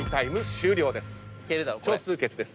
少数決です。